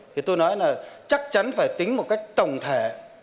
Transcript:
thì tôi nói là chắc chắn phải tính một cách tổng thể